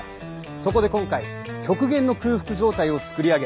そこで今回極限の空腹状態を作り上げ